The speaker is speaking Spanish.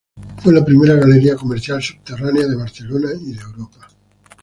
Fue la primera galería comercial subterránea de Barcelona y de Europa.